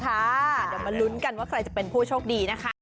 เดี๋ยวมาลุ้นกันว่าใครจะเป็นผู้โชคดีนะคะ